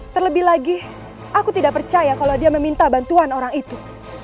terlebih lagi aku tidak percaya kalau dia meminta bantuan orang itu